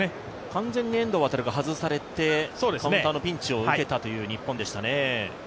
完全に遠藤航が外されてカウンターのピンチを受けたという日本でしたね。